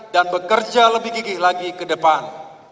dan bekerja lebih gigih lagi ke depan